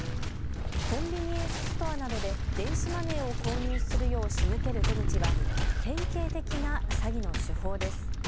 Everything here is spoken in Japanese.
コンビニエンスストアなどで電子マネーを購入するようしむける手口は典型的な詐欺の手法です。